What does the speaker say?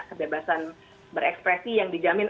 kebebasan berekspresi yang dijamin